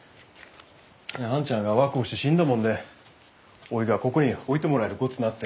で兄ちゃんが若うして死んだもんでおいがここに置いてもらえるごつなって。